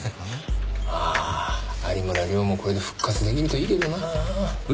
ああ有村亮もこれで復活出来るといいけどな。え？